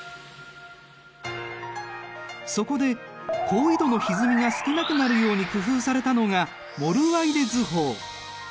そこで高緯度のひずみが少なくなるように工夫されたのがモルワイデ図法。